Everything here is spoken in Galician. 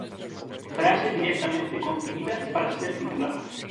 Frase directamente concibida para ser titular.